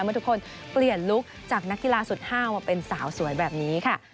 เมื่อทุกคนเปลี่ยนลุคจากนักกีฬาสุดห้าวมาเป็นสาวสวยแบบนี้ค่ะ